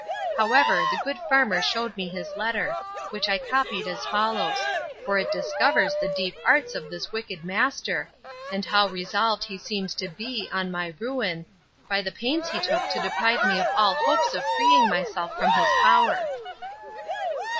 However, the good farmer shewed me his letter; which I copied as follows: for it discovers the deep arts of this wicked master; and how resolved he seems to be on my ruin, by the pains he took to deprive me of all hopes of freeing myself from his power.